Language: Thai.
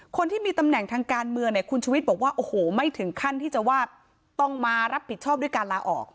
คนที่มีตำแหน่งทางการเมืองเนี่ยคุณชุวิตบอกว่าโอ้โหไม่ถึงขั้นที่จะว่าต้องมารับผิดชอบด้วยการลาออก